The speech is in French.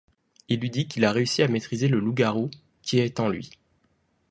Il lui dit qu'il a réussi à maitriser le loup-garou qui est en lui.